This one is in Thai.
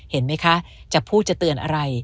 เห็นไหมคะจะพูดจะเตือนอะไร